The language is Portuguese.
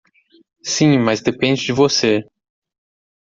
Sim, mas depende de você.